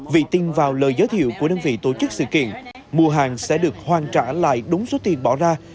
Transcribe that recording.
vì tin vào lời giới thiệu của đơn vị tổ chức sự kiện mua hàng sẽ được hoàn trả lại đúng số tiền bỏ ra